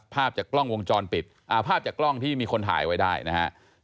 ภาพจากกล้องวงจรปิดภาพจากกล้องที่มีคนถ่ายไว้ได้นะฮะ